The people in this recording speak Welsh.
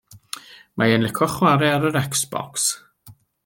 Mae o'n licio chwarae ar yr Xbox.